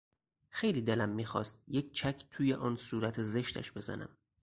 خیلی دلم میخواست یک چک توی آن صورت زشتش بزنم!